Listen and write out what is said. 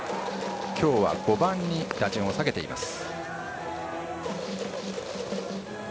今日は５番に打順を下げています。